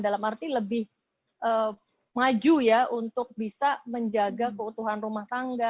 dalam arti lebih maju ya untuk bisa menjaga keutuhan rumah tangga